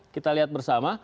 kita lihat bersama